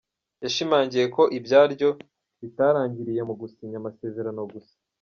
Yashimangiye ko ibyaryo bitarangiriye mu gusinya amasezerano gusa.